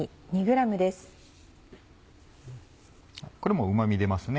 これもうま味出ますね。